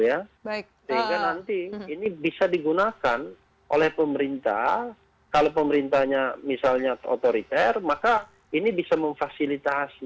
sehingga nanti ini bisa digunakan oleh pemerintah kalau pemerintahnya misalnya otoriter maka ini bisa memfasilitasi